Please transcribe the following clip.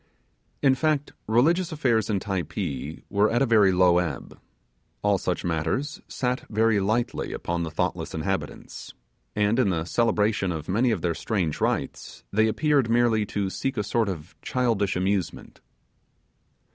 In fact religious affairs in Typee were at a very low ebb: all such matters sat very lightly upon the thoughtless inhabitants; and, in the celebration of many of their strange rites, they appeared merely to seek a sort of childish amusement.